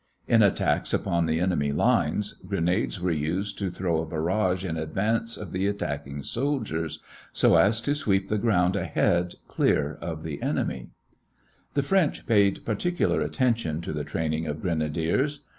In attacks upon the enemy lines, grenades were used to throw a barrage in advance of the attacking soldiers so as to sweep the ground ahead clear of the enemy. The French paid particular attention to the training of grenadiers.